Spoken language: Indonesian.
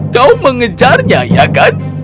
kau mengejarnya ya kan